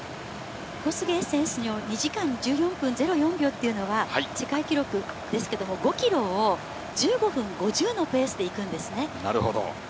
コスゲイ選手の２時間１４分０４秒というのは世界記録ですけど、５ｋｍを１５分５０秒のペースで行くんですね。